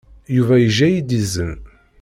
Yuba yejja-iyi-d izen.